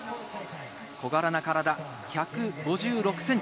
小柄な体・１５６センチ。